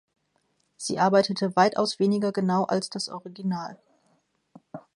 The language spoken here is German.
Sie arbeitete weitaus weniger genau als das Original.